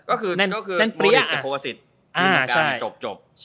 ก็คือโมนิตแต่โฟกสิตจบ